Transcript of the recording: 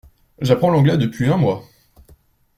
J’apprends l’anglais depuis un mois.